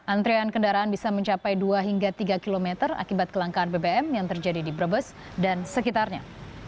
antrean kendaraan bisa mencapai dua hingga tiga km akibat kelangkaan bbm yang terjadi di brebes dan sekitarnya